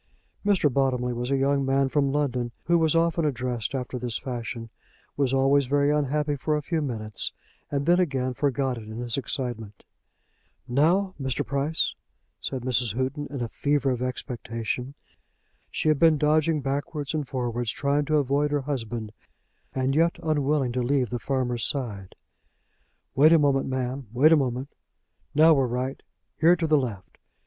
Mr. Bottomley was a young man from London, who was often addressed after this fashion, was always very unhappy for a few minutes, and then again forgot it in his excitement. "Now, Mr. Price," said Mrs. Houghton in a fever of expectation. She had been dodging backwards and forwards trying to avoid her husband, and yet unwilling to leave the farmer's side. "Wait a moment, ma'am; wait a moment. Now we're right; here to the left."